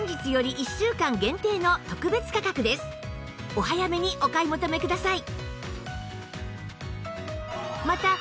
お早めにお買い求めください